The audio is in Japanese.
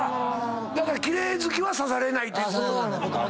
だから奇麗好きは刺されないということなのか？